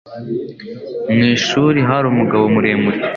Mu ishuri hari umugabo muremure